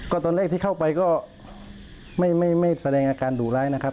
ก็ตอนแรกที่เข้าไปก็ไม่แสดงอาการดุร้ายนะครับ